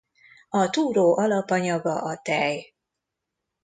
A túró alapanyaga a tej.